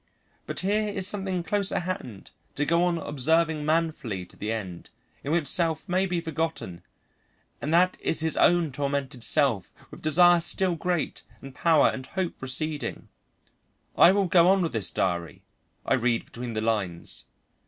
But here is something close at hand to go on observing manfully to the end, in which self may be forgotten, and that is his own tormented self, with desire still great and power and hope receding. "I will go on with this diary," I read between the lines.